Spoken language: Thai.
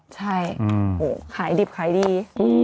ใช่ขายดิบขายดี